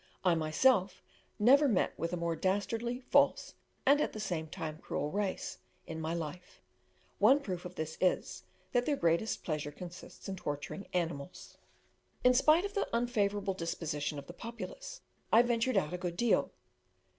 I myself never met with a more dastardly, false, and, at the same time, cruel race, in my life; one proof of this is, that their greatest pleasure consists in torturing animals. In spite of the unfavourable disposition of the populace, I ventured out a good deal.